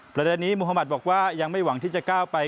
ประเด็นนี้มุธมัติบอกว่ายังไม่หวังที่จะก้าวไป